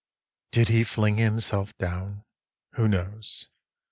3. Did he fling himself down? who knows?